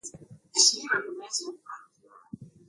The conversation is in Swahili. kuruhusu ipunguze jitihada zetu za kukabiliana na changamoto